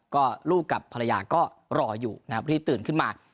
ก็ลูกกับภรรยาก็รออยู่นะครับรีบตื่นขึ้นมา